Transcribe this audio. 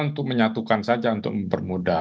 untuk menyatukan saja untuk mempermudah